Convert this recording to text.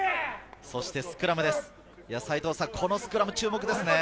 そしてスクラムです。